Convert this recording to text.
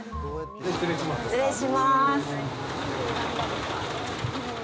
失礼します。